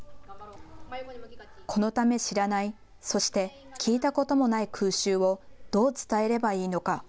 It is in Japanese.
このため知らない、そして聞いたこともない空襲をどう伝えればいいのか。